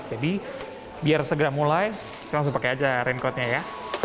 jadi biar segera mulai langsung pakai saja raincoatnya ya